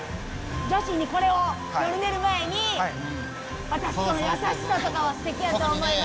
女子にこれを夜寝る前に渡すその優しさとかはすてきやと思います。